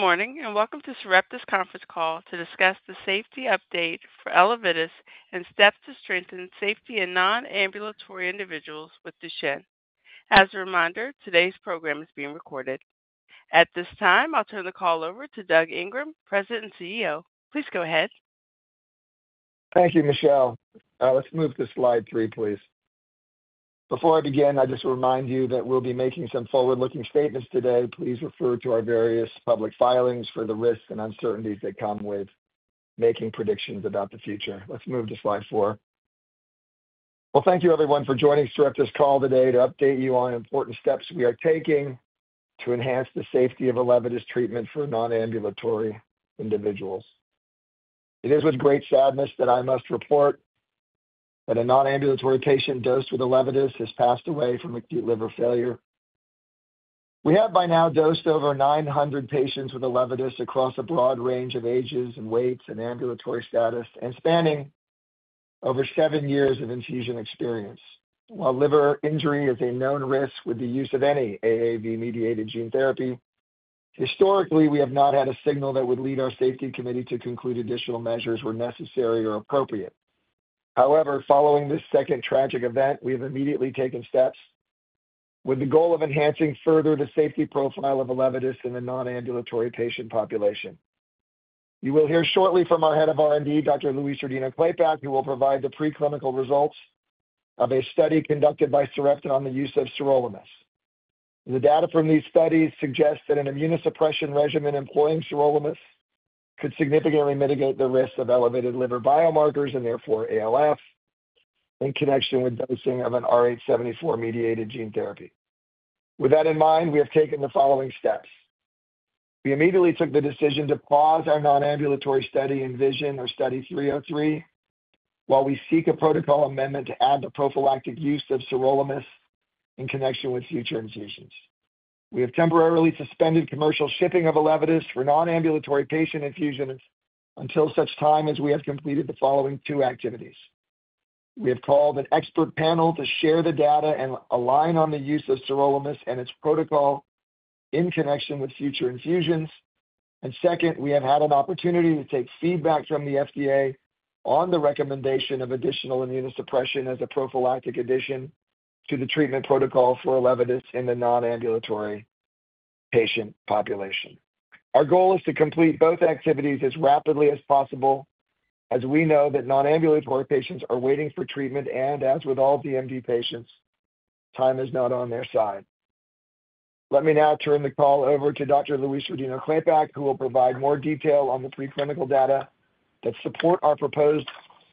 Good morning and welcome to Sarepta's conference call to discuss the safety update for Elevidys and steps to strengthen safety in non-ambulatory individuals with Duchenne. As a reminder, today's program is being recorded. At this time, I'll turn the call over to Doug Ingram, President and CEO. Please go ahead. Thank you, Michelle. Let's move to slide three, please. Before I begin, I just want to remind you that we'll be making some forward-looking statements today. Please refer to our various public filings for the risks and uncertainties that come with making predictions about the future. Let's move to slide four. Thank you, everyone, for joining Sarepta's call today to update you on important steps we are taking to enhance the safety of Elevidys treatment for non-ambulatory individuals. It is with great sadness that I must report that a non-ambulatory patient dosed with Elevidys has passed away from acute liver failure. We have by now dosed over 900 patients with Elevidys across a broad range of ages and weights and ambulatory status and spanning over seven years of infusion experience. While liver injury is a known risk with the use of any AAV-mediated gene therapy, historically, we have not had a signal that would lead our safety committee to conclude additional measures were necessary or appropriate. However, following this second tragic event, we have immediately taken steps with the goal of enhancing further the safety profile of Elevidys in the non-ambulatory patient population. You will hear shortly from our Head of R&D, Dr. Louise Rodino-Klapac, who will provide the preclinical results of a study conducted by Sarepta on the use of sirolimus. The data from these studies suggest that an immunosuppression regimen employing sirolimus could significantly mitigate the risk of elevated liver biomarkers and therefore ALF in connection with dosing of an AAV-mediated gene therapy. With that in mind, we have taken the following steps. We immediately took the decision to pause our non-ambulatory study ENVISION or Study 303 while we seek a protocol amendment to add the prophylactic use of sirolimus in connection with future infusions. We have temporarily suspended commercial shipping of Elevidys for non-ambulatory patient infusions until such time as we have completed the following two activities. We have called an expert panel to share the data and align on the use of sirolimus and its protocol in connection with future infusions. Second, we have had an opportunity to take feedback from the FDA on the recommendation of additional immunosuppression as a prophylactic addition to the treatment protocol for Elevidys in the non-ambulatory patient population. Our goal is to complete both activities as rapidly as possible as we know that non-ambulatory patients are waiting for treatment and, as with all DMD patients, time is not on their side. Let me now turn the call over to Dr. Louise Rodino-Klapac, who will provide more detail on the preclinical data that support our proposed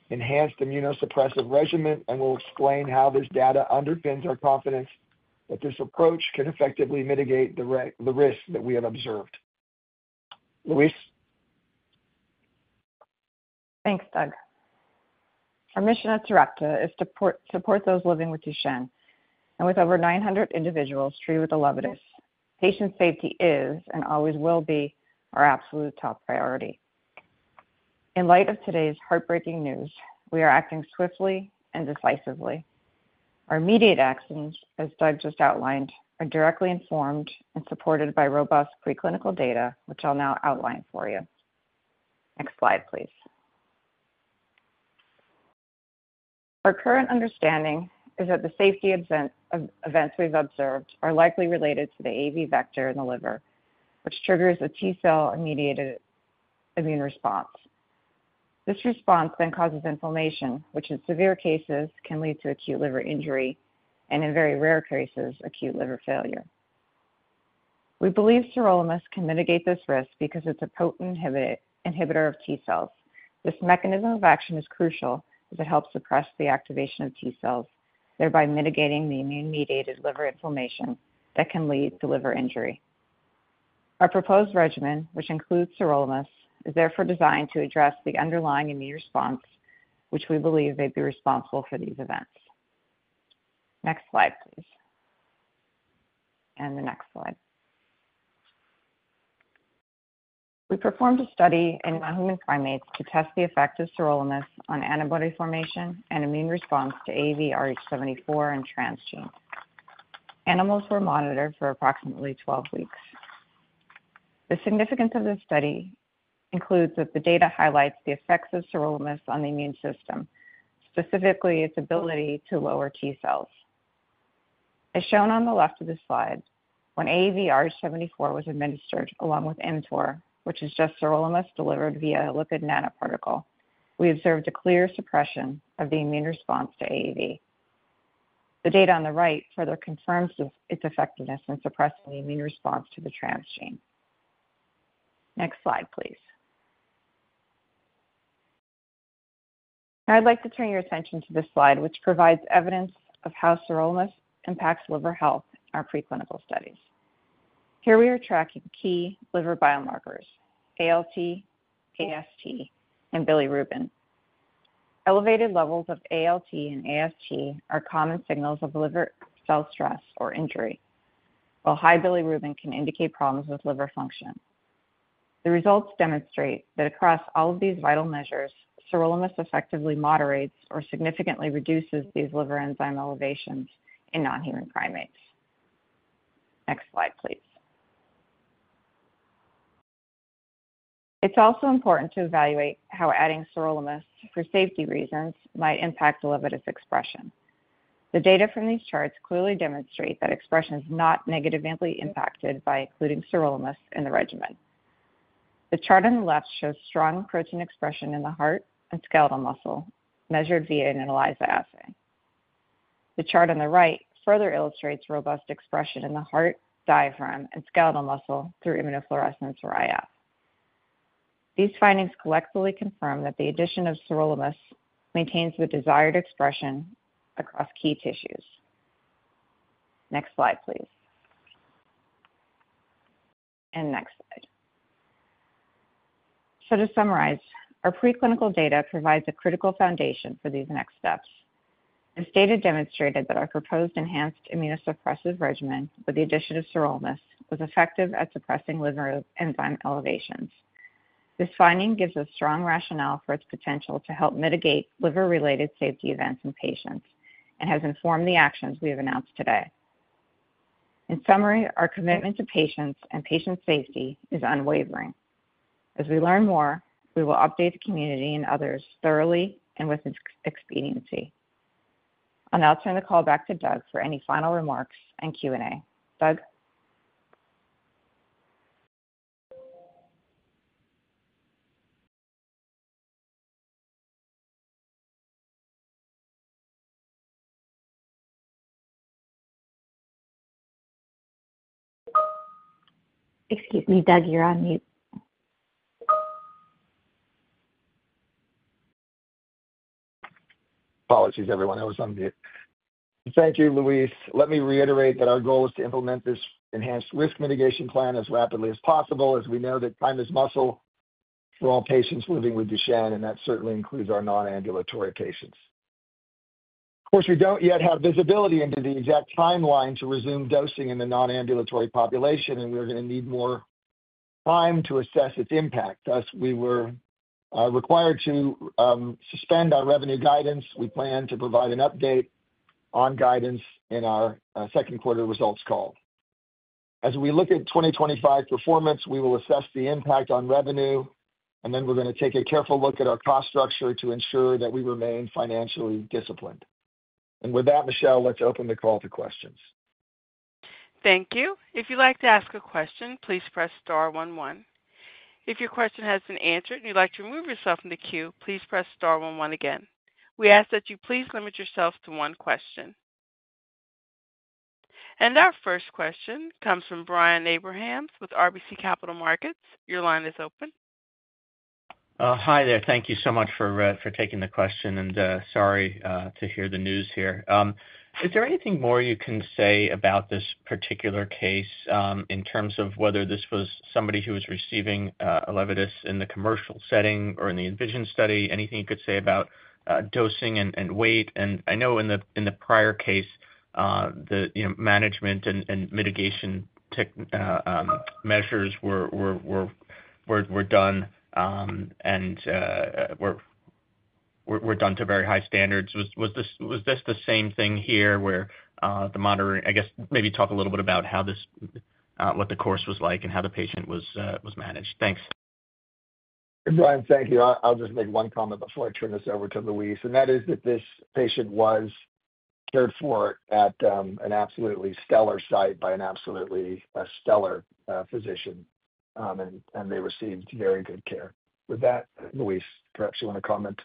enhanced immunosuppressive regimen and will explain how this data underpins our confidence that this approach can effectively mitigate the risk that we have observed. Louise. Thanks, Doug. Our mission at Sarepta is to support those living with Duchenne. With over 900 individuals treated with Elevidys, patient safety is and always will be our absolute top priority. In light of today's heartbreaking news, we are acting swiftly and decisively. Our immediate actions, as Doug just outlined, are directly informed and supported by robust preclinical data, which I'll now outline for you. Next slide, please. Our current understanding is that the safety events we've observed are likely related to the AAV vector in the liver, which triggers a T-cell-mediated immune response. This response then causes inflammation, which in severe cases can lead to acute liver injury and, in very rare cases, acute liver failure. We believe sirolimus can mitigate this risk because it's a potent inhibitor of T-cells. This mechanism of action is crucial as it helps suppress the activation of T-cells, thereby mitigating the immune-mediated liver inflammation that can lead to liver injury. Our proposed regimen, which includes sirolimus, is therefore designed to address the underlying immune response, which we believe may be responsible for these events. Next slide, please. Next slide. We performed a study in human primates to test the effect of sirolimus on antibody formation and immune response to AAV874 and transgenes. Animals were monitored for approximately 12 weeks. The significance of this study includes that the data highlights the effects of sirolimus on the immune system, specifically its ability to lower T-cells. As shown on the left of the slide, when AAV874 was administered along with mTOR, which is just sirolimus delivered via a lipid nanoparticle, we observed a clear suppression of the immune response to AAV. The data on the right further confirms its effectiveness in suppressing the immune response to the transgene. Next slide, please. I'd like to turn your attention to this slide, which provides evidence of how sirolimus impacts liver health in our preclinical studies. Here we are tracking key liver biomarkers: ALT, AST, and bilirubin. Elevated levels of ALT and AST are common signals of liver cell stress or injury, while high bilirubin can indicate problems with liver function. The results demonstrate that across all of these vital measures, sirolimus effectively moderates or significantly reduces these liver enzyme elevations in non-human primates. Next slide, please. It's also important to evaluate how adding sirolimus for safety reasons might impact Elevidys expression. The data from these charts clearly demonstrate that expression is not negatively impacted by including sirolimus in the regimen. The chart on the left shows strong protein expression in the heart and skeletal muscle measured via an ELISA assay. The chart on the right further illustrates robust expression in the heart, diaphragm, and skeletal muscle through immunofluorescence or IF. These findings collectively confirm that the addition of sirolimus maintains the desired expression across key tissues. Next slide, please. Next slide. To summarize, our preclinical data provides a critical foundation for these next steps. As data demonstrated that our proposed enhanced immunosuppressive regimen with the addition of sirolimus was effective at suppressing liver enzyme elevations. This finding gives a strong rationale for its potential to help mitigate liver-related safety events in patients and has informed the actions we have announced today. In summary, our commitment to patients and patient safety is unwavering. As we learn more, we will update the community and others thoroughly and with expediency. I'll now turn the call back to Doug for any final remarks and Q&A. Doug? Excuse me, Doug, you're on mute. Apologies, everyone. I was on mute. Thank you, Louise. Let me reiterate that our goal is to implement this enhanced risk mitigation plan as rapidly as possible as we know that time is muscle for all patients living with Duchenne, and that certainly includes our non-ambulatory patients. Of course, we do not yet have visibility into the exact timeline to resume dosing in the non-ambulatory population, and we are going to need more time to assess its impact. Thus, we were required to suspend our revenue guidance. We plan to provide an update on guidance in our second quarter results call. As we look at 2025 performance, we will assess the impact on revenue, and then we are going to take a careful look at our cost structure to ensure that we remain financially disciplined. With that, Michelle, let's open the call to questions. Thank you. If you'd like to ask a question, please press star one one. If your question has been answered and you'd like to remove yourself from the queue, please press star one one again. We ask that you please limit yourself to one question. Our first question comes from Brian Abrahams with RBC Capital Markets. Your line is open. Hi there. Thank you so much for taking the question, and sorry to hear the news here. Is there anything more you can say about this particular case in terms of whether this was somebody who was receiving Elevidys in the commercial setting or in the ENVISION study? Anything you could say about dosing and weight? I know in the prior case, the management and mitigation measures were done to very high standards. Was this the same thing here where the monitoring—I guess maybe talk a little bit about what the course was like and how the patient was managed. Thanks. Brian, thank you. I'll just make one comment before I turn this over to Louise, and that is that this patient was cared for at an absolutely stellar site by an absolutely stellar physician, and they received very good care. With that, Louise, perhaps you want to comment?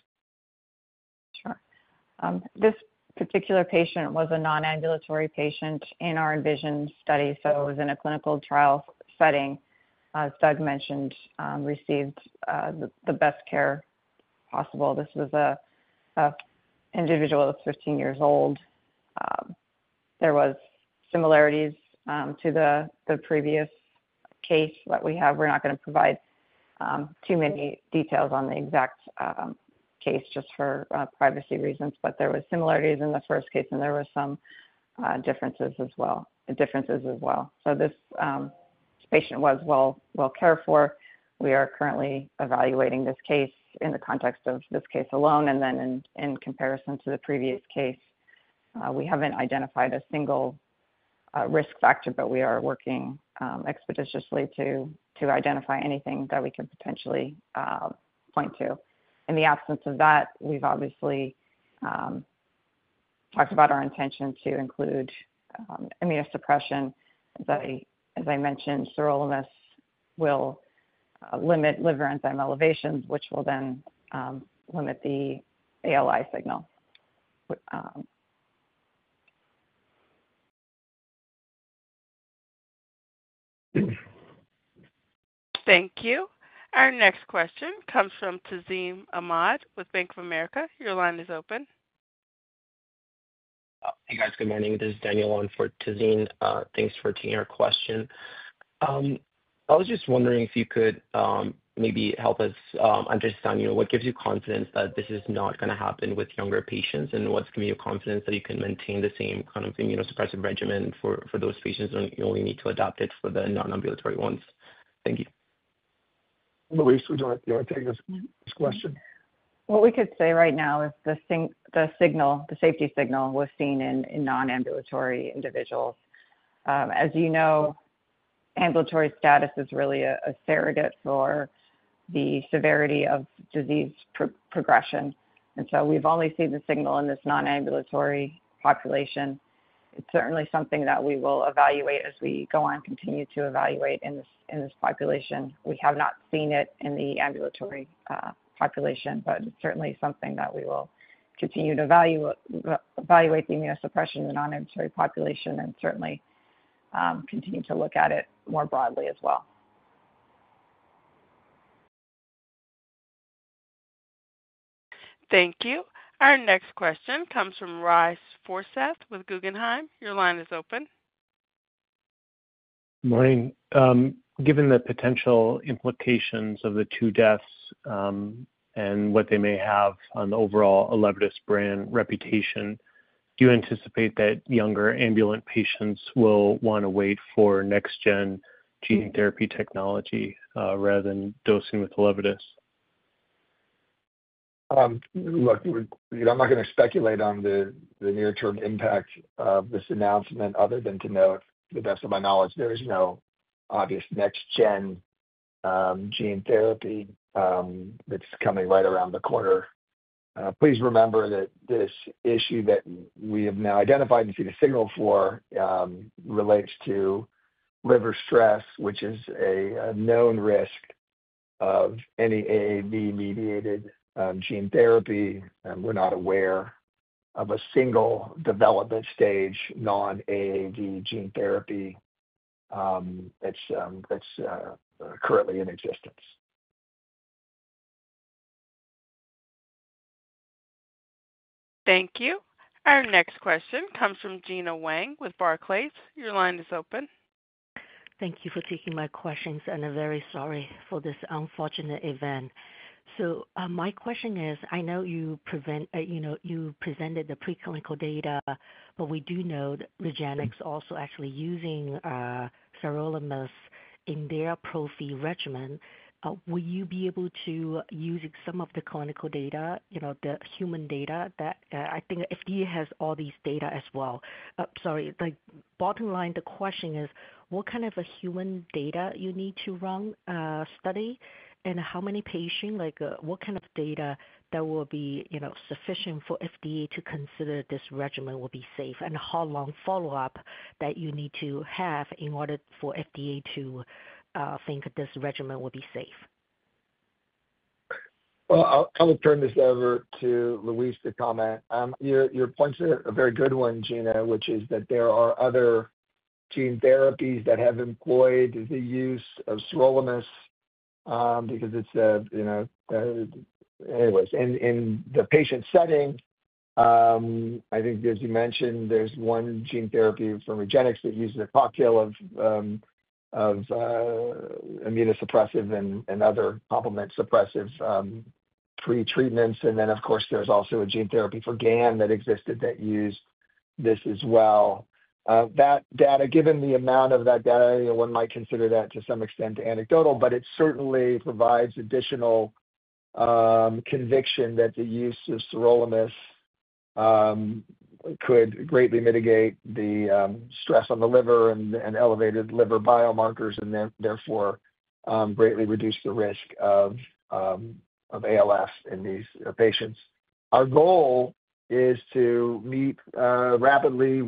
Sure. This particular patient was a non-ambulatory patient in our ENVISION study, so it was in a clinical trial setting. As Doug mentioned, received the best care possible. This was an individual that was 15 years old. There were similarities to the previous case that we have. We are not going to provide too many details on the exact case just for privacy reasons, but there were similarities in the first case, and there were some differences as well. This patient was well cared for. We are currently evaluating this case in the context of this case alone, and then in comparison to the previous case, we have not identified a single risk factor, but we are working expeditiously to identify anything that we can potentially point to. In the absence of that, we have obviously talked about our intention to include immunosuppression. As I mentioned, sirolimus will limit liver enzyme elevations, which will then limit the ALI signal. Thank you. Our next question comes from Tazeen Ahmad with Bank of America Securities. Your line is open. Hey, guys. Good morning. This is Daniel Ong for Tazeen. Thanks for taking our question. I was just wondering if you could maybe help us understand what gives you confidence that this is not going to happen with younger patients and what's giving you confidence that you can maintain the same kind of immunosuppressive regimen for those patients and you only need to adopt it for the non-ambulatory ones. Thank you. Louise, would you like to take this question? What we could say right now is the safety signal was seen in non-ambulatory individuals. As you know, ambulatory status is really a surrogate for the severity of disease progression. We have only seen the signal in this non-ambulatory population. It is certainly something that we will evaluate as we go on and continue to evaluate in this population. We have not seen it in the ambulatory population, but it is certainly something that we will continue to evaluate, the immunosuppression in the non-ambulatory population, and certainly continue to look at it more broadly as well. Thank you. Our next question comes from Ry Forseth with Guggenheim. Your line is open. Good morning. Given the potential implications of the two deaths and what they may have on the overall Elevidys brand reputation, do you anticipate that younger ambulant patients will want to wait for next-gen gene therapy technology rather than dosing with Elevidys? Look, I'm not going to speculate on the near-term impact of this announcement other than to note, to the best of my knowledge, there is no obvious next-gen gene therapy that's coming right around the corner. Please remember that this issue that we have now identified and seen a signal for relates to liver stress, which is a known risk of any AAV-mediated gene therapy. We're not aware of a single development stage non-AAV gene therapy that's currently in existence. Thank you. Our next question comes from Gena Wang with Barclays. Your line is open. Thank you for taking my questions, and I'm very sorry for this unfortunate event. My question is, I know you presented the preclinical data, but we do know that Regenxbio is also actually using sirolimus in their Prophy regimen. Will you be able to use some of the clinical data, the human data? I think FDA has all these data as well. Sorry. Bottom line, the question is, what kind of human data you need to run a study, and how many patients, what kind of data that will be sufficient for FDA to consider this regimen will be safe, and how long follow-up that you need to have in order for FDA to think this regimen will be safe? I will turn this over to Louise to comment. Your points are a very good one, Gena, which is that there are other gene therapies that have employed the use of sirolimus because it's a—anyways, in the patient setting, I think, as you mentioned, there's one gene therapy from Regenxbio that uses a cocktail of immunosuppressive and other complement suppressive pretreatments. Of course, there's also a gene therapy for GAN that existed that used this as well. Given the amount of that data, one might consider that to some extent anecdotal, but it certainly provides additional conviction that the use of sirolimus could greatly mitigate the stress on the liver and elevated liver biomarkers and therefore greatly reduce the risk of ALF in these patients. Our goal is to meet rapidly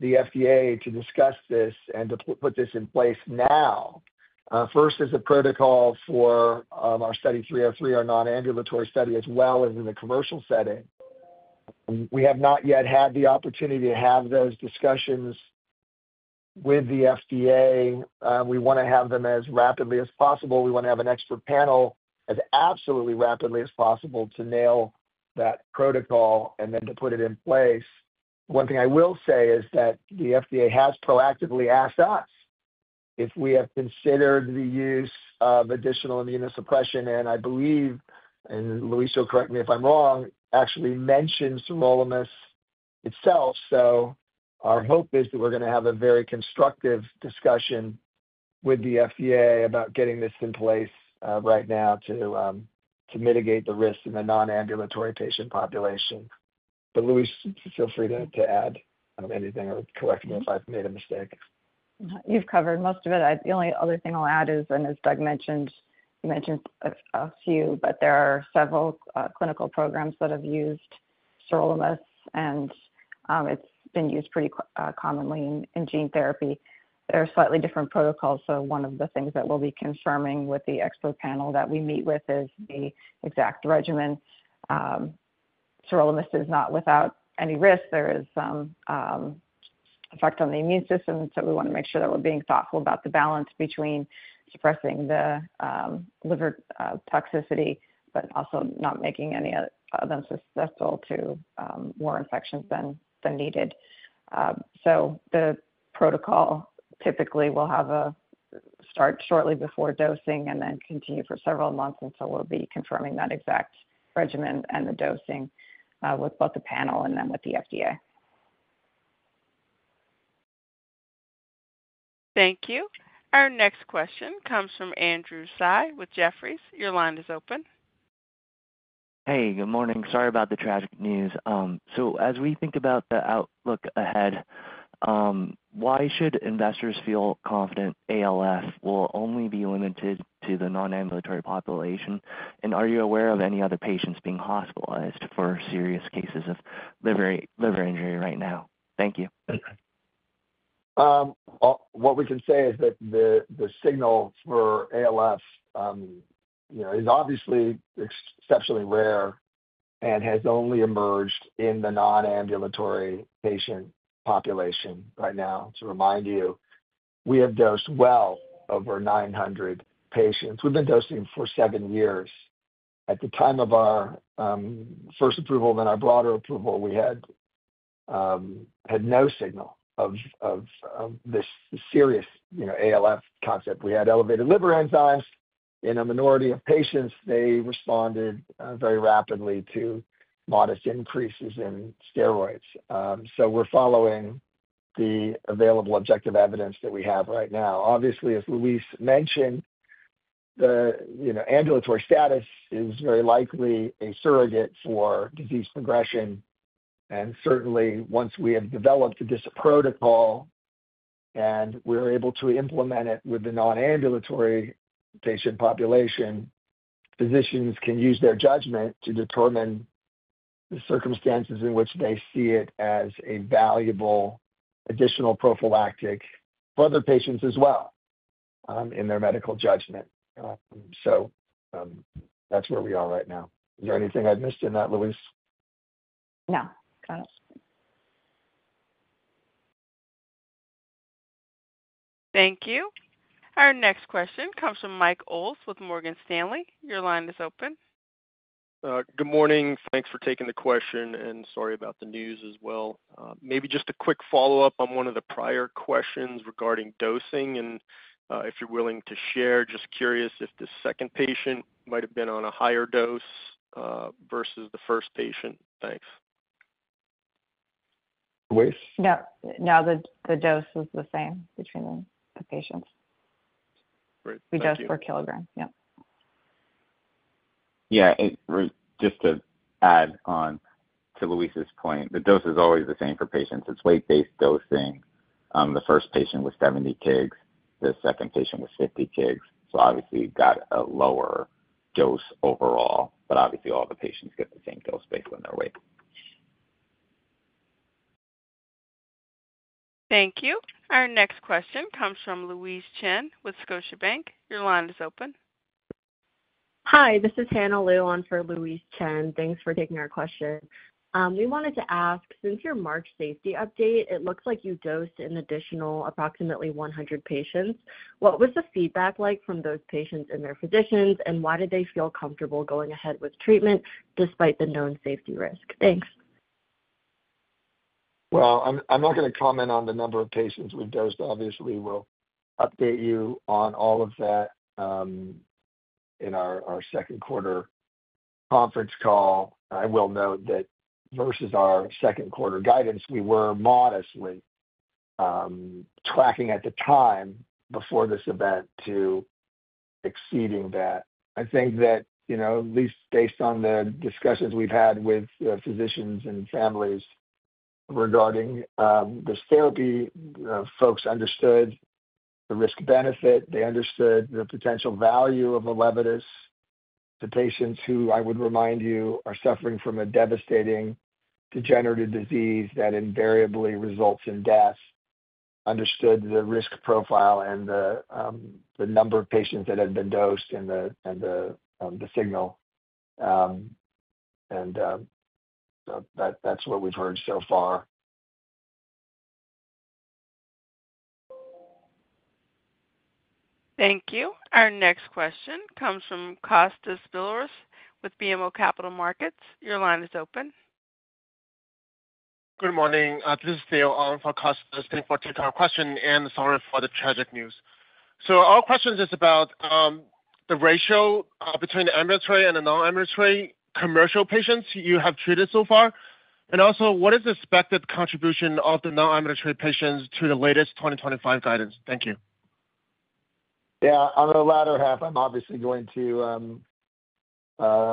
with the FDA to discuss this and to put this in place now, first as a protocol for our Study 303, our non-ambulatory study, as well as in the commercial setting. We have not yet had the opportunity to have those discussions with the FDA. We want to have them as rapidly as possible. We want to have an expert panel as absolutely rapidly as possible to nail that protocol and then to put it in place. One thing I will say is that the FDA has proactively asked us if we have considered the use of additional immunosuppression, and I believe, and Louise will correct me if I'm wrong, actually mentioned sirolimus itself. Our hope is that we're going to have a very constructive discussion with the FDA about getting this in place right now to mitigate the risk in the non-ambulatory patient population. Louise, feel free to add anything or correct me if I've made a mistake. You've covered most of it. The only other thing I'll add is, and as Doug mentioned, you mentioned a few, but there are several clinical programs that have used sirolimus, and it's been used pretty commonly in gene therapy. There are slightly different protocols, so one of the things that we'll be confirming with the expert panel that we meet with is the exact regimen. Sirolimus is not without any risk. There is some effect on the immune system, so we want to make sure that we're being thoughtful about the balance between suppressing the liver toxicity but also not making any of them susceptible to more infections than needed. The protocol typically will start shortly before dosing and then continue for several months, and we'll be confirming that exact regimen and the dosing with both the panel and then with the FDA. Thank you. Our next question comes from Andrew Tsai with Jefferies. Your line is open. Hey, good morning. Sorry about the tragic news. As we think about the outlook ahead, why should investors feel confident ALF will only be limited to the non-ambulatory population? Are you aware of any other patients being hospitalized for serious cases of liver injury right now? Thank you. What we can say is that the signal for ALF is obviously exceptionally rare and has only emerged in the non-ambulatory patient population right now. To remind you, we have dosed well over 900 patients. We've been dosing for seven years. At the time of our first approval and our broader approval, we had no signal of this serious ALF concept. We had elevated liver enzymes, and a minority of patients, they responded very rapidly to modest increases in steroids. We're following the available objective evidence that we have right now. Obviously, as Louise mentioned, the ambulatory status is very likely a surrogate for disease progression. Certainly, once we have developed this protocol and we're able to implement it with the non-ambulatory patient population, physicians can use their judgment to determine the circumstances in which they see it as a valuable additional prophylactic for other patients as well in their medical judgment. That is where we are right now. Is there anything I've missed in that, Louise? No. Got it. Thank you. Our next question comes from Mike Oles with Morgan Stanley. Your line is open. Good morning. Thanks for taking the question, and sorry about the news as well. Maybe just a quick follow-up on one of the prior questions regarding dosing, and if you're willing to share, just curious if the second patient might have been on a higher dose versus the first patient. Thanks. Louise? No. No, the dose was the same between the patients. We dosed per kilogram. Yep. Yeah. Just to add on to Louise's point, the dose is always the same for patients. It's weight-based dosing. The first patient was 70 kg. The second patient was 50 kg. So obviously, you've got a lower dose overall, but obviously, all the patients get the same dose based on their weight. Thank you. Our next question comes from Louise Chen with Scotiabank. Your line is open. Hi. This is Hannah Luan for Louise Chen. Thanks for taking our question. We wanted to ask, since your March safety update, it looks like you dosed an additional approximately 100 patients. What was the feedback like from those patients and their physicians, and why did they feel comfortable going ahead with treatment despite the known safety risk? Thanks. I'm not going to comment on the number of patients we've dosed. Obviously, we'll update you on all of that in our second-quarter conference call. I will note that versus our second-quarter guidance, we were modestly tracking at the time before this event to exceeding that. I think that at least based on the discussions we've had with physicians and families regarding this therapy, folks understood the risk-benefit. They understood the potential value of Elevidys. The patients who, I would remind you, are suffering from a devastating degenerative disease that invariably results in death understood the risk profile and the number of patients that had been dosed and the signal. That's what we've heard so far. Thank you. Our next question comes from Kostas Biliouris with BMO Capital Markets. Your line is open. Good morning. This is Dale Allen for Costis Villores, thank you for taking our question and sorry for the tragic news. Our question is about the ratio between the ambulatory and the non-ambulatory commercial patients you have treated so far. Also, what is the expected contribution of the non-ambulatory patients to the latest 2025 guidance? Thank you. Yeah. On the latter half, I'm obviously going to—I’m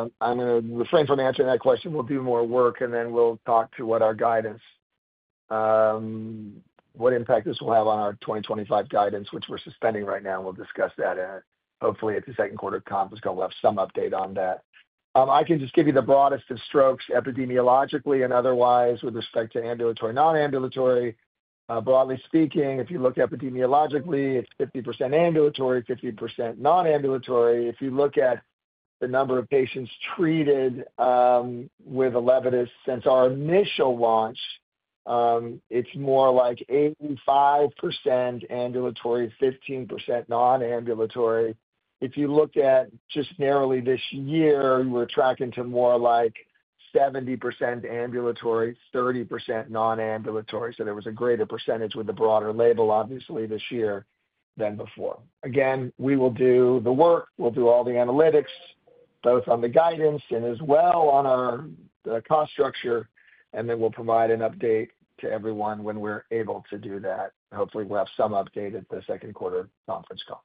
going to refrain from answering that question. We'll do more work, and then we'll talk to what our guidance—what impact this will have on our 2025 guidance, which we're suspending right now. We'll discuss that. Hopefully, at the second-quarter conference call, we'll have some update on that. I can just give you the broadest of strokes epidemiologically and otherwise with respect to ambulatory and non-ambulatory. Broadly speaking, if you look epidemiologically, it's 50% ambulatory, 50% non-ambulatory. If you look at the number of patients treated with Elevidys since our initial launch, it's more like 85% ambulatory, 15% non-ambulatory. If you looked at just narrowly this year, we were tracking to more like 70% ambulatory, 30% non-ambulatory. There was a greater percentage with the broader label, obviously, this year than before. Again, we will do the work. We'll do all the analytics, both on the guidance and as well on our cost structure, and then we'll provide an update to everyone when we're able to do that. Hopefully, we'll have some update at the second-quarter conference call.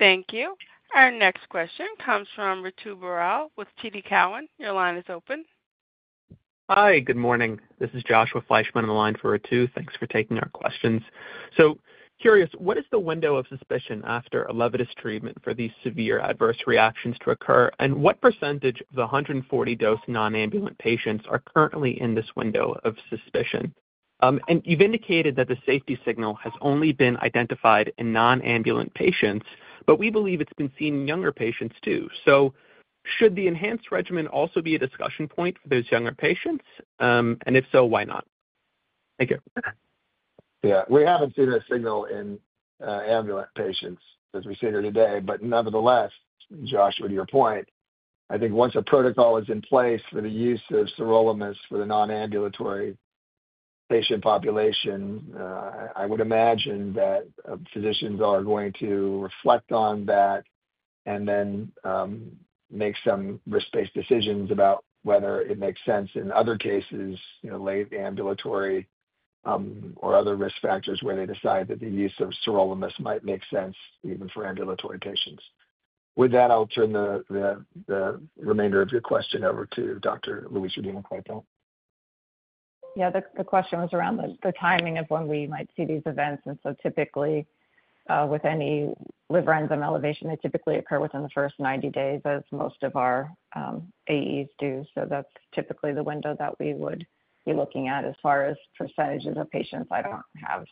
Thank you. Our next question comes from Ritu Baral with TD Cowen. Your line is open. Hi. Good morning. This is Joshua Fleishman on the line for Ritu. Thanks for taking our questions. Curious, what is the window of suspicion after Elevidys treatment for these severe adverse reactions to occur, and what % of the 140 dosed non-ambulatory patients are currently in this window of suspicion? You have indicated that the safety signal has only been identified in non-ambulatory patients, but we believe it has been seen in younger patients too. Should the enhanced regimen also be a discussion point for those younger patients? If so, why not? Thank you. Yeah. We haven't seen a signal in ambulatory patients as we sit here today, but nonetheless, Joshua, to your point, I think once a protocol is in place for the use of sirolimus for the non-ambulatory patient population, I would imagine that physicians are going to reflect on that and then make some risk-based decisions about whether it makes sense in other cases, late ambulatory or other risk factors where they decide that the use of sirolimus might make sense even for ambulatory patients. With that, I'll turn the remainder of your question over to Dr. Louise Rodino-Klapac. Yeah. The question was around the timing of when we might see these events. Typically, with any liver enzyme elevation, they typically occur within the first 90 days, as most of our AEs do. That is typically the window that we would be looking at as far as % of patients. I do not have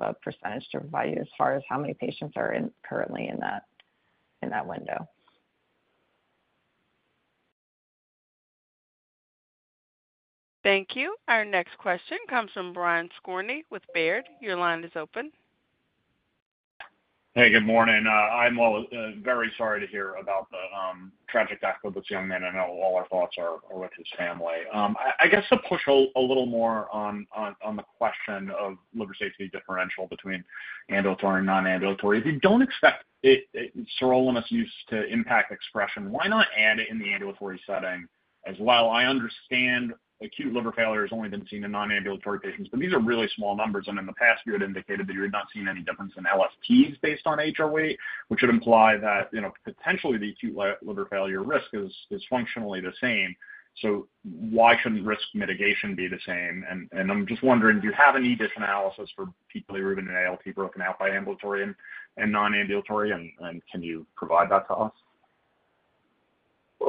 a % to provide you as far as how many patients are currently in that window. Thank you. Our next question comes from Brian Skorney with Baird. Your line is open. Hey, good morning. I'm very sorry to hear about the tragic death of this young man. I know all our thoughts are with his family. I guess to push a little more on the question of liver safety differential between ambulatory and non-ambulatory, if you don't expect sirolimus use to impact expression, why not add it in the ambulatory setting as well? I understand acute liver failure has only been seen in non-ambulatory patients, but these are really small numbers. In the past, you had indicated that you had not seen any difference in LFTs based on HR weight, which would imply that potentially the acute liver failure risk is functionally the same. Why shouldn't risk mitigation be the same? I'm just wondering, do you have any additional analysis for people who have been in ALT broken out by ambulatory and non-ambulatory, and can you provide that to us?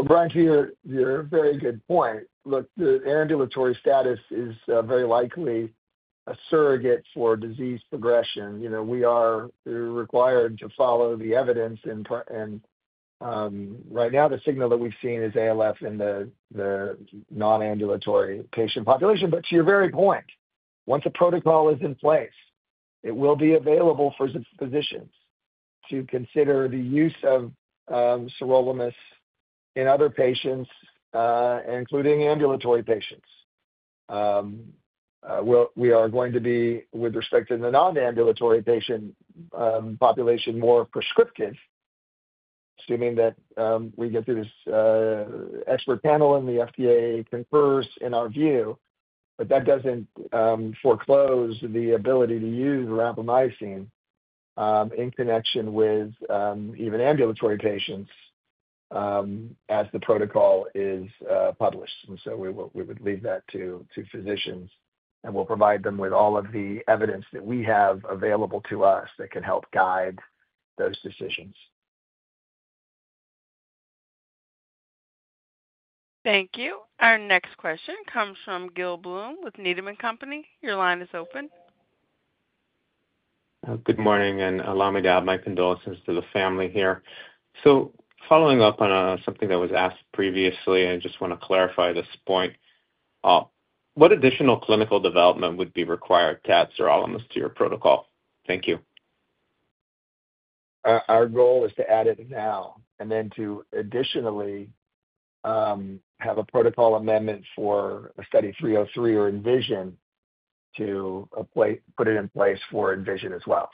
Brian, to your very good point, look, the ambulatory status is very likely a surrogate for disease progression. We are required to follow the evidence. Right now, the signal that we've seen is ALF in the non-ambulatory patient population. To your very point, once a protocol is in place, it will be available for physicians to consider the use of sirolimus in other patients, including ambulatory patients. We are going to be, with respect to the non-ambulatory patient population, more prescriptive, assuming that we get through this expert panel and the FDA confers in our view. That does not foreclose the ability to use sirolimus in connection with even ambulatory patients as the protocol is published. We would leave that to physicians, and we'll provide them with all of the evidence that we have available to us that can help guide those decisions. Thank you. Our next question comes from Gil Blum with Needham & Company. Your line is open. Good morning, and my condolences to the family here. Following up on something that was asked previously, I just want to clarify this point. What additional clinical development would be required to add sirolimus to your protocol? Thank you. Our goal is to add it now and then to additionally have a protocol amendment for Study 303 or ENVISION to put it in place for ENVISION as well.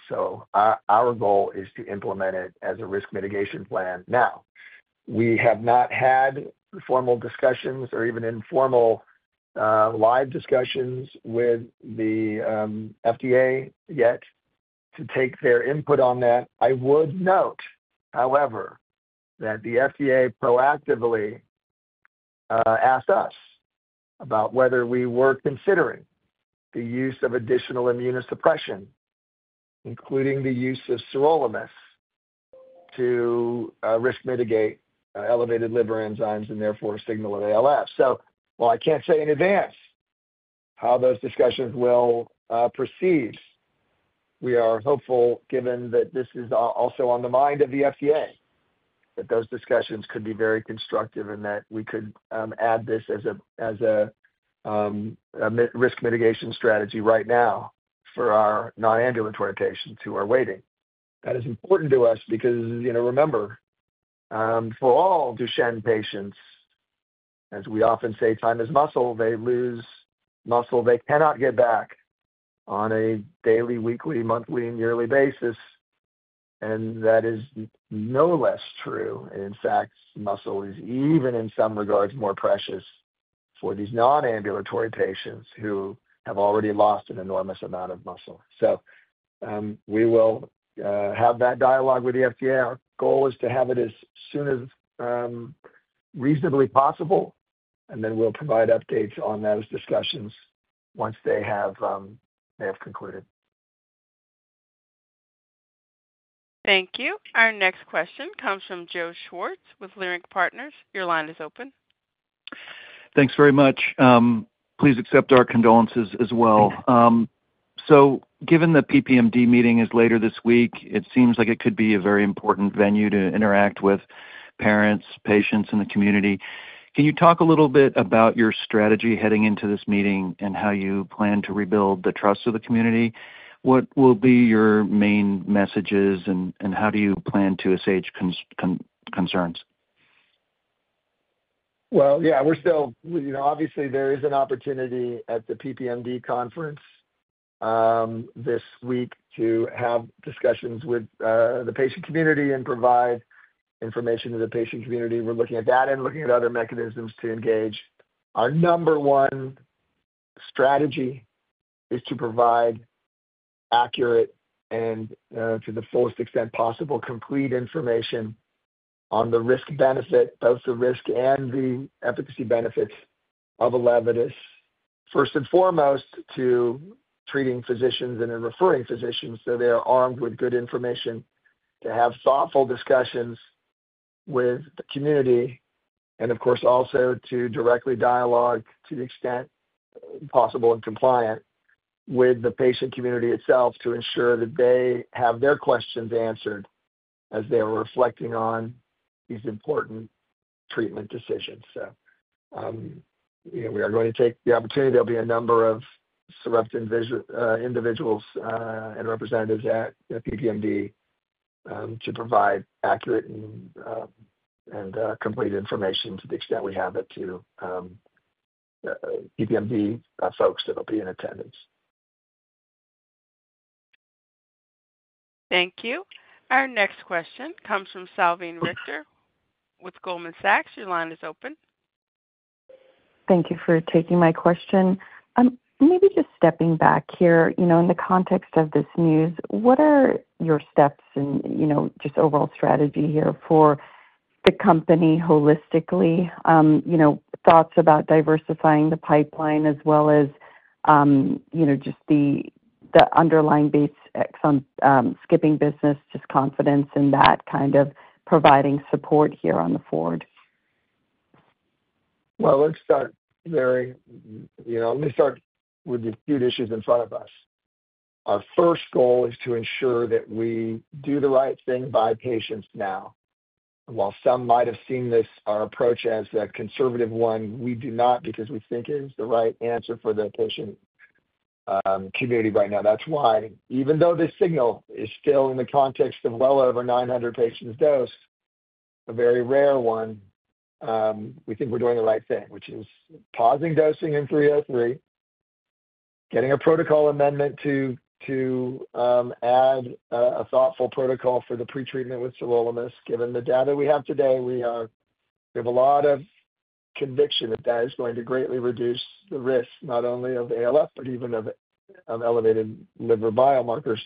Our goal is to implement it as a risk mitigation plan now. We have not had formal discussions or even informal live discussions with the FDA yet to take their input on that. I would note, however, that the FDA proactively asked us about whether we were considering the use of additional immunosuppression, including the use of sirolimus, to risk mitigate elevated liver enzymes and therefore signal of ALF. While I can't say in advance how those discussions will proceed, we are hopeful, given that this is also on the mind of the FDA, that those discussions could be very constructive and that we could add this as a risk mitigation strategy right now for our non-ambulatory patients who are waiting. That is important to us because remember, for all Duchenne patients, as we often say, time is muscle. They lose muscle they cannot get back on a daily, weekly, monthly, and yearly basis. That is no less true. In fact, muscle is even in some regards more precious for these non-ambulatory patients who have already lost an enormous amount of muscle. We will have that dialogue with the FDA. Our goal is to have it as soon as reasonably possible, and then we'll provide updates on those discussions once they have concluded. Thank you. Our next question comes from Jo Schwartz with Leerink Partners. Your line is open. Thanks very much. Please accept our condolences as well. Given the PPMD meeting is later this week, it seems like it could be a very important venue to interact with parents, patients, and the community. Can you talk a little bit about your strategy heading into this meeting and how you plan to rebuild the trust of the community? What will be your main messages, and how do you plan to assuage concerns? Yeah, we're still obviously, there is an opportunity at the PPMD conference this week to have discussions with the patient community and provide information to the patient community. We're looking at that and looking at other mechanisms to engage. Our number one strategy is to provide accurate and, to the fullest extent possible, complete information on the risk-benefit, both the risk and the efficacy benefits of Elevidys, first and foremost to treating physicians and then referring physicians so they are armed with good information, to have thoughtful discussions with the community, and of course, also to directly dialogue to the extent possible and compliant with the patient community itself to ensure that they have their questions answered as they are reflecting on these important treatment decisions. We are going to take the opportunity. There'll be a number of individuals and representatives at PPMD to provide accurate and complete information to the extent we have it to PPMD folks that will be in attendance. Thank you. Our next question comes from Salveen Richter with Goldman Sachs. Your line is open. Thank you for taking my question. Maybe just stepping back here in the context of this news, what are your steps and just overall strategy here for the company holistically, thoughts about diversifying the pipeline as well as just the underlying base exon skipping business, just confidence in that kind of providing support here on the forward? Let me start with the acute issues in front of us. Our first goal is to ensure that we do the right thing by patients now. While some might have seen our approach as a conservative one, we do not because we think it is the right answer for the patient community right now. That is why, even though this signal is still in the context of well over 900 patients dosed, a very rare one, we think we are doing the right thing, which is pausing dosing in 303, getting a protocol amendment to add a thoughtful protocol for the pretreatment with sirolimus. Given the data we have today, we have a lot of conviction that that is going to greatly reduce the risk, not only of ALF, but even of elevated liver biomarkers.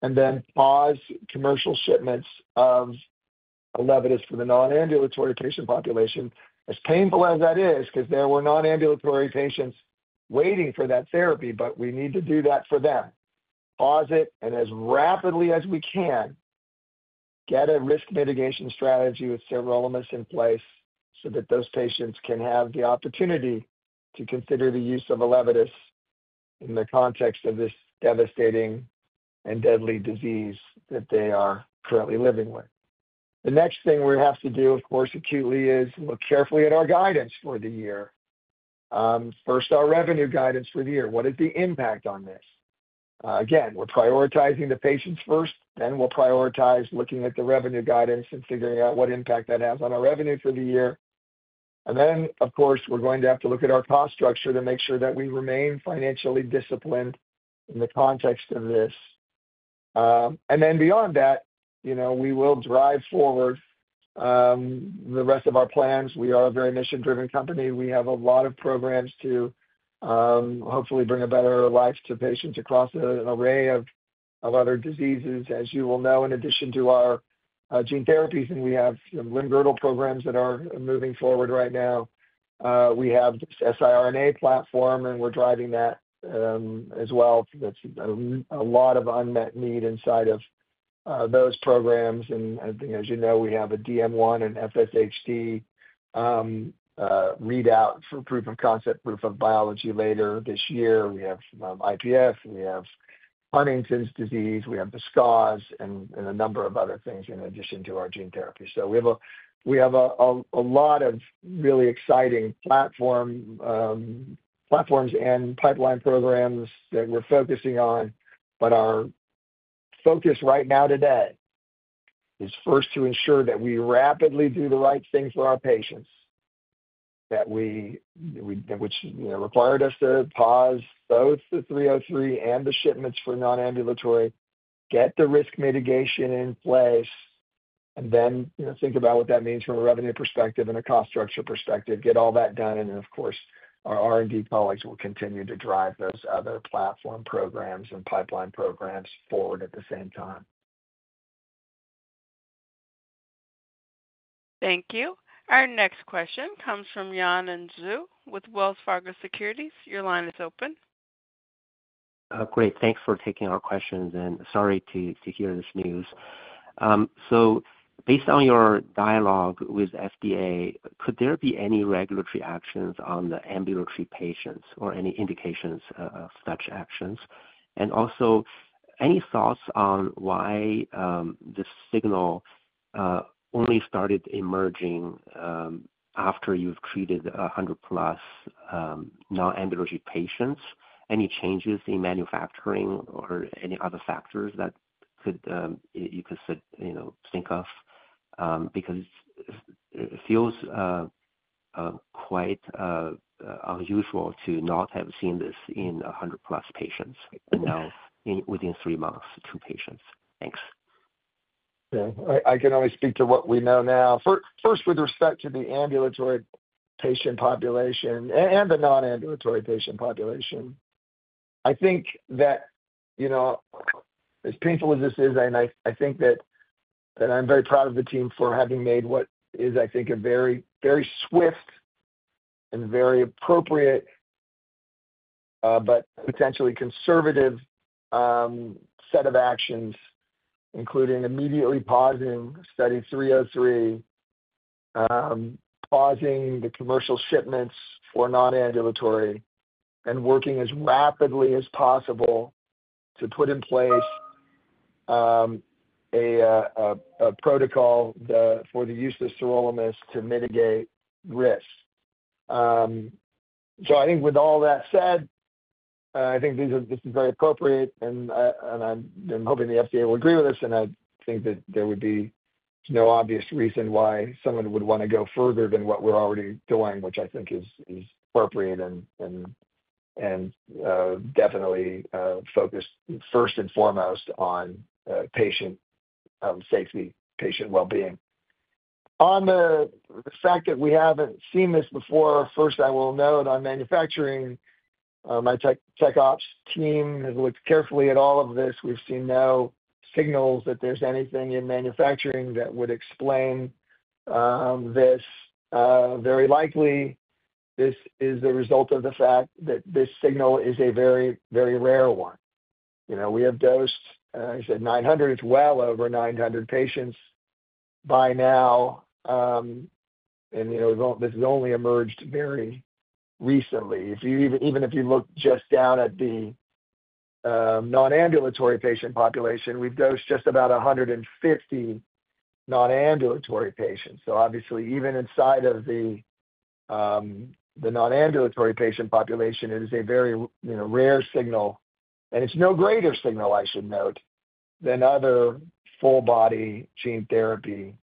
We then pause commercial shipments of Elevidys for the non-ambulatory patient population, as painful as that is, because there were non-ambulatory patients waiting for that therapy, but we need to do that for them. Pause it, and as rapidly as we can, get a risk mitigation strategy with sirolimus in place so that those patients can have the opportunity to consider the use of Elevidys in the context of this devastating and deadly disease that they are currently living with. The next thing we have to do, of course, acutely is look carefully at our guidance for the year. First, our revenue guidance for the year. What is the impact on this? Again, we are prioritizing the patients first. Then we will prioritize looking at the revenue guidance and figuring out what impact that has on our revenue for the year. Of course, we're going to have to look at our cost structure to make sure that we remain financially disciplined in the context of this. Beyond that, we will drive forward the rest of our plans. We are a very mission-driven company. We have a lot of programs to hopefully bring a better life to patients across an array of other diseases, as you will know, in addition to our gene therapies. We have some limb-girdle programs that are moving forward right now. We have this siRNA platform, and we're driving that as well. That's a lot of unmet need inside of those programs. As you know, we have a DM1 and FSHD readout for proof of concept, proof of biology later this year. We have IPF. We have Huntington's disease. We have BISCAS and a number of other things in addition to our gene therapy. We have a lot of really exciting platforms and pipeline programs that we're focusing on. Our focus right now today is first to ensure that we rapidly do the right thing for our patients, which required us to pause both the 303 and the shipments for non-ambulatory, get the risk mitigation in place, and then think about what that means from a revenue perspective and a cost structure perspective, get all that done. Our R&D colleagues will continue to drive those other platform programs and pipeline programs forward at the same time. Thank you. Our next question comes from Yanan Zhu with Wells Fargo Securities. Your line is open. Great. Thanks for taking our questions, and sorry to hear this news. Based on your dialogue with FDA, could there be any regulatory actions on the ambulatory patients or any indications of such actions? Also, any thoughts on why this signal only started emerging after you've treated 100-plus non-ambulatory patients? Any changes in manufacturing or any other factors that you could think of? It feels quite unusual to not have seen this in 100-plus patients now within three months, two patients. Thanks. Okay. I can only speak to what we know now. First, with respect to the ambulatory patient population and the non-ambulatory patient population, I think that as painful as this is, and I think that I'm very proud of the team for having made what is, I think, a very swift and very appropriate but potentially conservative set of actions, including immediately pausing Study 303, pausing the commercial shipments for non-ambulatory, and working as rapidly as possible to put in place a protocol for the use of sirolimus to mitigate risk. I think with all that said, I think this is very appropriate, and I'm hoping the FDA will agree with us. I think that there would be no obvious reason why someone would want to go further than what we're already doing, which I think is appropriate and definitely focused first and foremost on patient safety, patient well-being. On the fact that we haven't seen this before, first, I will note on manufacturing, my tech ops team has looked carefully at all of this. We've seen no signals that there's anything in manufacturing that would explain this. Very likely, this is the result of the fact that this signal is a very, very rare one. We have dosed, I said, 900. It's well over 900 patients by now. This has only emerged very recently. Even if you look just down at the non-ambulatory patient population, we've dosed just about 150 non-ambulatory patients. Obviously, even inside of the non-ambulatory patient population, it is a very rare signal. It is no greater signal, I should note, than other full-body gene therapy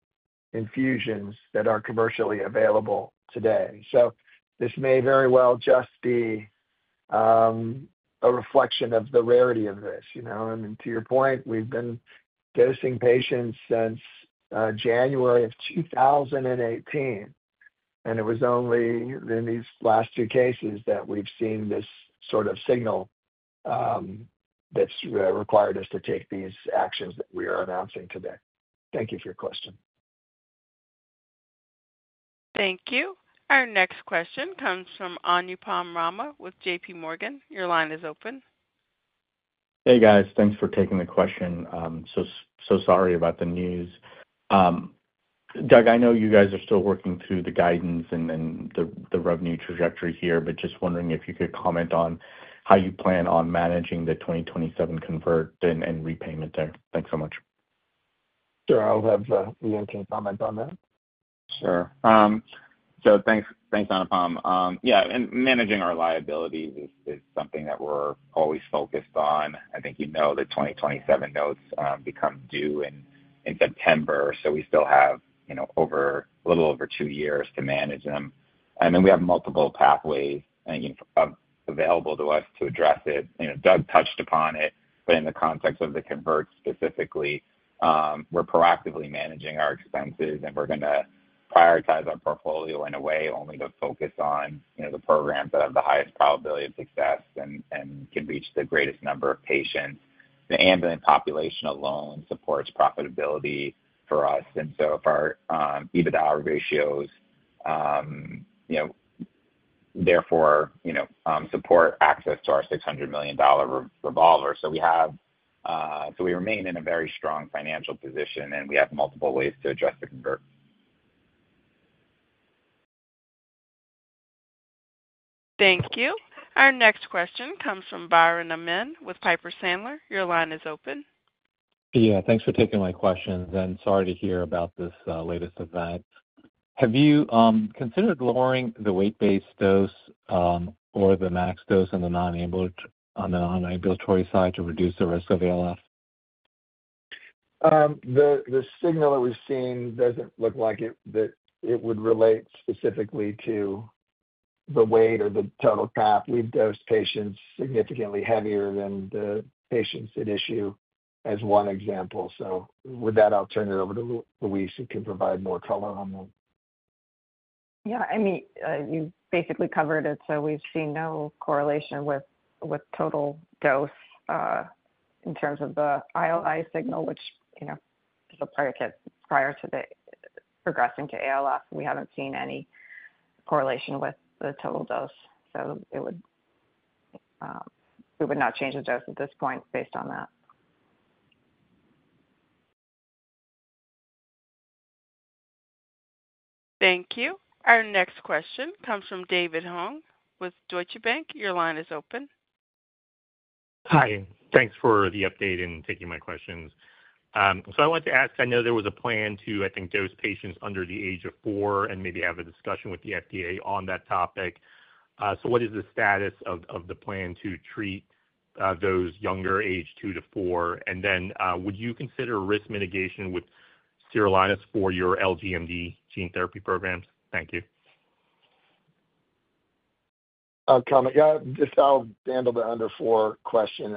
infusions that are commercially available today. This may very well just be a reflection of the rarity of this. To your point, we have been dosing patients since January of 2018, and it was only in these last two cases that we have seen this sort of signal that has required us to take these actions that we are announcing today. Thank you for your question. Thank you. Our next question comes from Anupam Rama with JPMorgan. Your line is open. Hey, guys. Thanks for taking the question. So sorry about the news. Doug, I know you guys are still working through the guidance and the revenue trajectory here, but just wondering if you could comment on how you plan on managing the 2027 convert and repayment there. Thanks so much. Sure. I'll have Yanan comment on that. Sure. Thanks, Anupam. Yeah, managing our liabilities is something that we're always focused on. I think you know that 2027 notes become due in September, so we still have a little over two years to manage them. We have multiple pathways available to us to address it. Doug touched upon it, but in the context of the convert specifically, we're proactively managing our expenses, and we're going to prioritize our portfolio in a way only to focus on the programs that have the highest probability of success and can reach the greatest number of patients. The ambulant population alone supports profitability for us. If our EBITDA ratios, therefore, support access to our $600 million revolver, we remain in a very strong financial position, and we have multiple ways to address the convert. Thank you. Our next question comes from Biren Amin with Piper Sandler. Your line is open. Yeah. Thanks for taking my questions. Sorry to hear about this latest event. Have you considered lowering the weight-based dose or the max dose on the non-ambulatory side to reduce the risk of ALF? The signal that we've seen doesn't look like it would relate specifically to the weight or the total. Half, we've dosed patients significantly heavier than the patients at issue as one example. With that, I'll turn it over to Louise who can provide more color on that. Yeah. I mean, you basically covered it. We've seen no correlation with total dose in terms of the ALI signal, which is prior to progressing to ALF. We haven't seen any correlation with the total dose. We would not change the dose at this point based on that. Thank you. Our next question comes from David Hoang with Deutsche Bank. Your line is open. Hi. Thanks for the update and taking my questions. I wanted to ask, I know there was a plan to, I think, dose patients under the age of four and maybe have a discussion with the FDA on that topic. What is the status of the plan to treat those younger, age two to four? Would you consider risk mitigation with sirolimus for your LGMD gene therapy programs? Thank you. Comment. Yeah. I'll handle the under four question.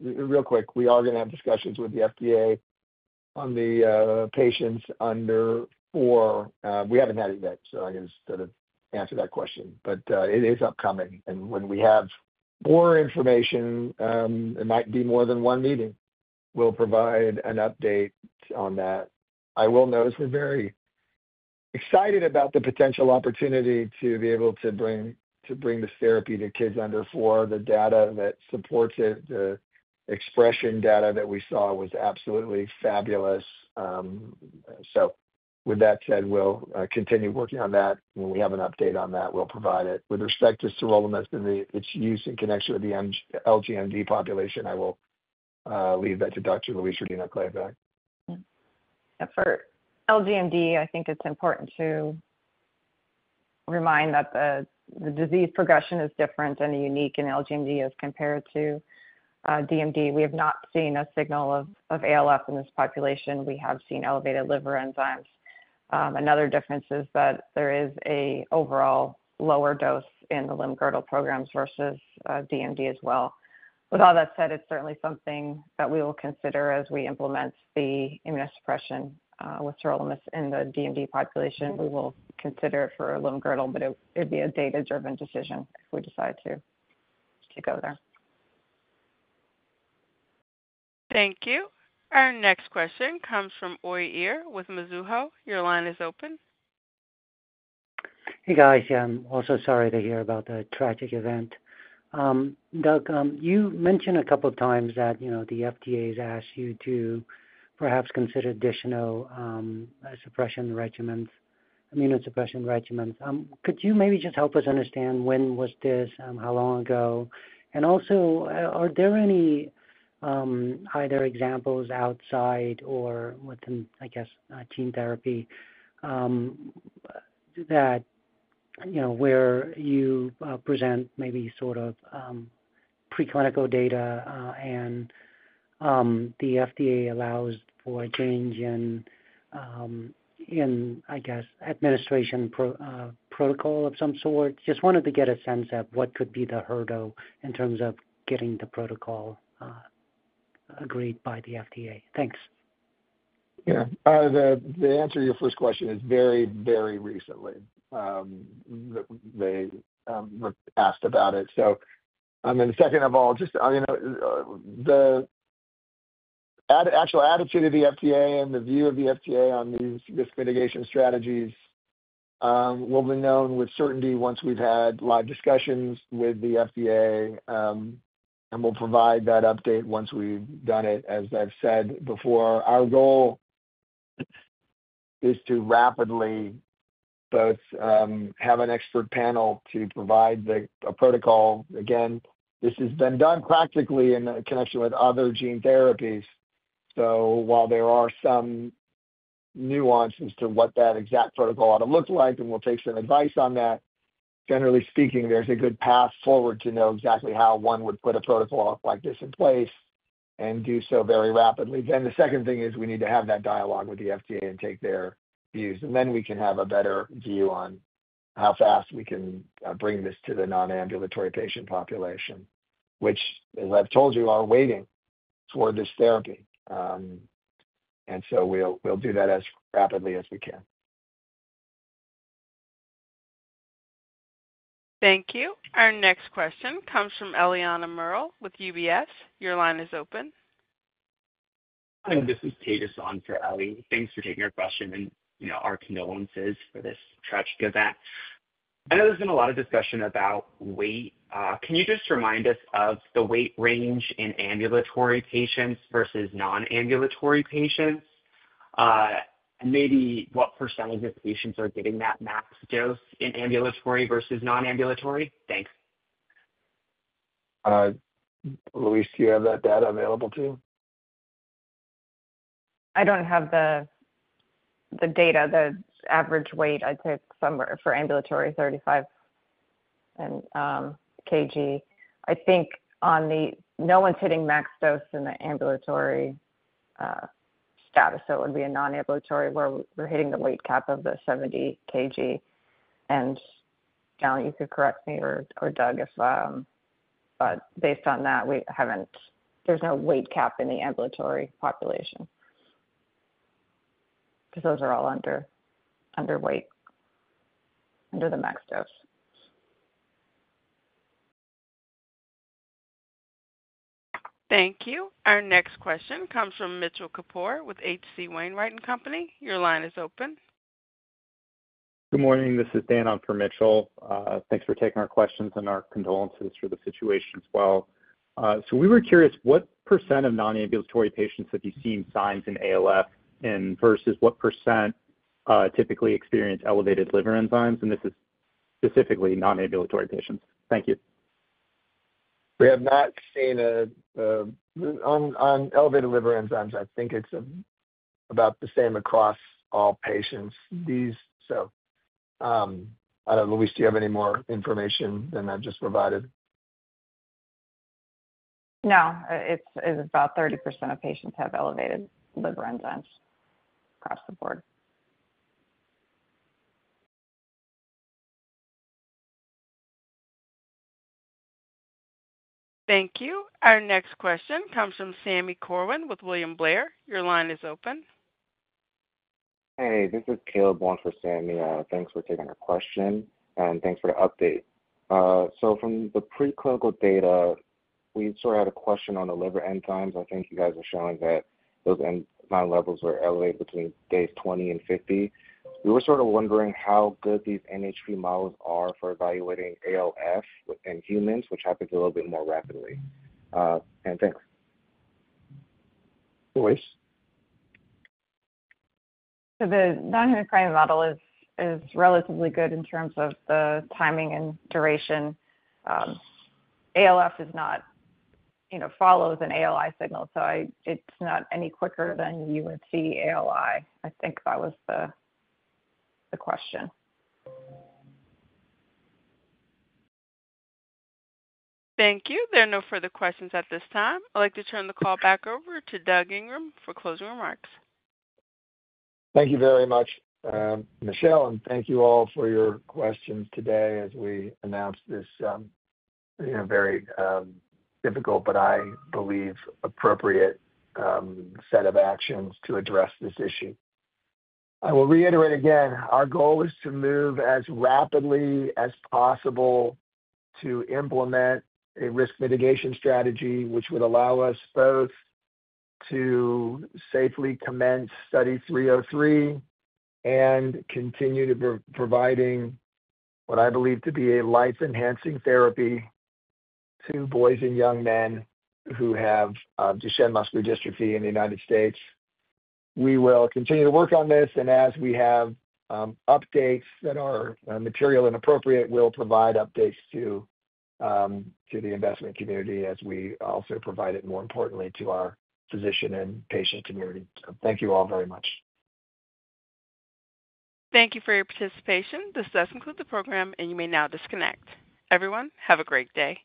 Real quick, we are going to have discussions with the FDA on the patients under four. We haven't had it yet, so I guess to answer that question. It is upcoming. When we have more information, it might be more than one meeting. We'll provide an update on that. I will note we're very excited about the potential opportunity to be able to bring this therapy to kids under four. The data that supports it, the expression data that we saw was absolutely fabulous. With that said, we'll continue working on that. When we have an update on that, we'll provide it. With respect to sirolimus and its use in connection with the LGMD population, I will leave that to Dr. Louise Rodino-Klapac. Yeah. For LGMD, I think it's important to remind that the disease progression is different and unique in LGMD as compared to DMD. We have not seen a signal of ALF in this population. We have seen elevated liver enzymes. Another difference is that there is an overall lower dose in the limb-girdle programs versus DMD as well. With all that said, it's certainly something that we will consider as we implement the immunosuppression with sirolimus in the DMD population. We will consider it for limb-girdle, but it would be a data-driven decision if we decide to go there. Thank you. Our next question comes from Oiir with Mizuho. Your line is open. Hey, guys. I'm also sorry to hear about the tragic event. Doug, you mentioned a couple of times that the FDA has asked you to perhaps consider additional immunosuppression regimens. Could you maybe just help us understand when was this, how long ago? Also, are there any either examples outside or within, I guess, gene therapy where you present maybe sort of preclinical data and the FDA allows for a change in, I guess, administration protocol of some sort? Just wanted to get a sense of what could be the hurdle in terms of getting the protocol agreed by the FDA. Thanks. Yeah. The answer to your first question is very, very recently. They were asked about it. I mean, second of all, just the actual attitude of the FDA and the view of the FDA on these risk mitigation strategies will be known with certainty once we've had live discussions with the FDA, and we'll provide that update once we've done it, as I've said before. Our goal is to rapidly both have an expert panel to provide a protocol. Again, this has been done practically in connection with other gene therapies. While there are some nuances to what that exact protocol ought to look like, and we'll take some advice on that, generally speaking, there's a good path forward to know exactly how one would put a protocol like this in place and do so very rapidly. The second thing is we need to have that dialogue with the FDA and take their views. Then we can have a better view on how fast we can bring this to the non-ambulatory patient population, which, as I've told you, are waiting for this therapy. We will do that as rapidly as we can. Thank you. Our next question comes from Eliana Merle with UBS. Your line is open. Hi. This is Tate Hassan for Ali. Thanks for taking our question and our condolences for this tragic event. I know there's been a lot of discussion about weight. Can you just remind us of the weight range in ambulatory patients versus non-ambulatory patients? And maybe what percentage of patients are getting that max dose in ambulatory versus non-ambulatory? Thanks. Luis, do you have that data available to you? I don't have the data. The average weight, I'd say for ambulatory, 35 kg, I think no one's hitting max dose in the ambulatory status. It would be a non-ambulatory where we're hitting the weight cap of the 70 kg. Now you could correct me or Doug, but based on that, there's no weight cap in the ambulatory population because those are all under the max dose. Thank you. Our next question comes from Mitchell Kapoor with HC Wainwright & Company. Your line is open. Good morning. This is Danon from Mitchell. Thanks for taking our questions and our condolences for the situation as well. We were curious, what percent of non-ambulatory patients have you seen signs in ALF versus what percent typically experience elevated liver enzymes? This is specifically non-ambulatory patients. Thank you. We have not seen an elevated liver enzymes, I think it's about the same across all patients. So I don't know, Louise, do you have any more information than I've just provided? No. It's about 30% of patients have elevated liver enzymes across the board. Thank you. Our next question comes from Sami Corwin with William Blair. Your line is open. Hey, this is Caleb Wong for Sami. Thanks for taking our question. Thanks for the update. From the preclinical data, we sort of had a question on the liver enzymes. I think you guys are showing that those nine levels were elevated between days 20 and 50. We were sort of wondering how good these NHP models are for evaluating ALF in humans, which happens a little bit more rapidly. Thanks. Luis? The non-ambulatory model is relatively good in terms of the timing and duration. ALF follows an ALI signal, so it's not any quicker than you would see ALI. I think that was the question. Thank you. There are no further questions at this time. I'd like to turn the call back over to Doug Ingram for closing remarks. Thank you very much, Michelle. Thank you all for your questions today as we announced this very difficult, but I believe appropriate set of actions to address this issue. I will reiterate again, our goal is to move as rapidly as possible to implement a risk mitigation strategy, which would allow us both to safely commence study 303 and continue to provide what I believe to be a life-enhancing therapy to boys and young men who have Duchenne muscular dystrophy in the United States. We will continue to work on this. As we have updates that are material and appropriate, we'll provide updates to the investment community as we also provide it, more importantly, to our physician and patient community. Thank you all very much. Thank you for your participation. This does conclude the program, and you may now disconnect. Everyone, have a great day.